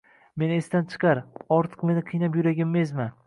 meni esdan chiqar, ortiq meni qiynab yuragimni ezma…